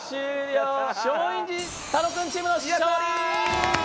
松陰寺・楽君チームの勝利！